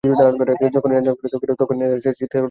যখনই রানা প্লাজার কথা মনে পড়ে, তখনই এঁরা চিৎকার করে কেঁদে ওঠেন।